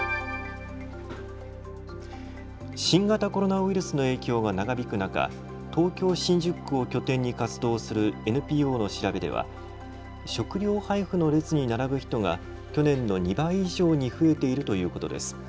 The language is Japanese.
新型コロナウイルスの影響が長引く中、東京新宿区を拠点に活動するＮＰＯの調べでは食料配布の列に並ぶ人が去年の２倍以上に増えているということです。